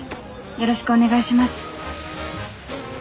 よろしくお願いします」。